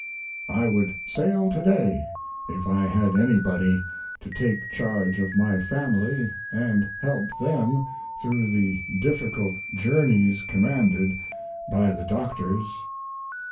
I would sail to day if I had anybody to take charge of my family & help them through the difficult journeys commanded by the doctors.